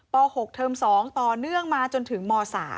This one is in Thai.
ป๖เทอม๒ต่อเนื่องมาจนถึงม๓